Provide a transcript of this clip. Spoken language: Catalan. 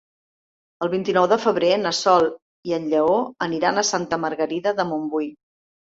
El vint-i-nou de febrer na Sol i en Lleó aniran a Santa Margarida de Montbui.